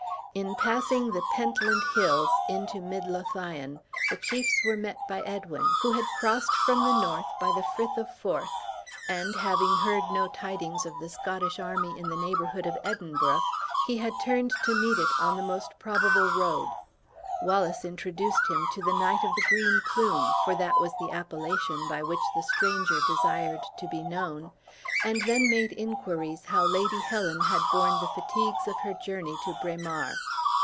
In passing the Pentland Hills, into Mid Lothian, the chiefs were met by Edwin, who had crossed from the north by the Frith of Forth; and having heard no tidings of the Scottish army in the neighborhood of Edinburgh, he had turned to meet it on the most probably road. Wallace introduced him to the Knight of the Green Plume, for that was the appellation by which the stranger desired to be known and then made inquiries how Lady Helen had borne the fatigues of her journey to Braemar.